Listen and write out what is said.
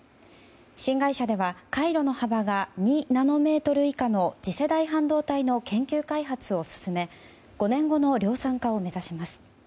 新会社では、回路の幅が２ナノメートル以下の次世代半導体の研究開発を進め５年後の量産化を目指します。